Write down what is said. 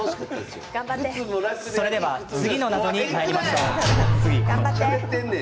それでは次の謎にまいりましょう。